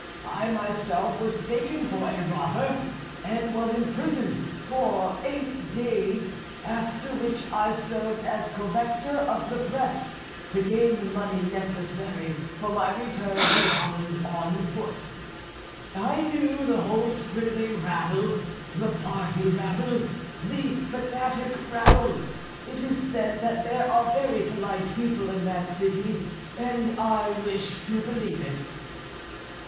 I myself was taken for a robber and was imprisoned for eight days, after which I served as corrector of the press to gain the money necessary for my return to Holland on foot. I knew the whole scribbling rabble, the party rabble, the fanatic rabble. It is said that there are very polite people in that city, and I wish to believe it."